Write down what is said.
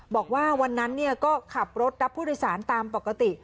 บอกว่าวันนั้นก็ขับรถรับผู้โดยสารตามปกติ